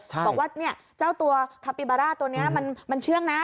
บอกว่าเจ้าตัวคาปิบาร่าตัวนี้มันเชื่องนะ